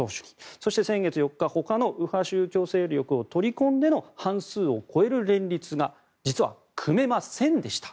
そして、先月４日までのほかの宗教勢力を取り込んでの半数を超える連立が実は組めませんでした。